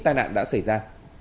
tai nạn đã xảy ra